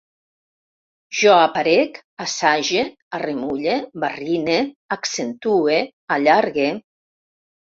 Jo aparec, assage, arremulle, barrine, accentue, allargue